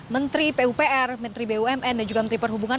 menteri pupr menteri bumn dan juga menteri perhubungan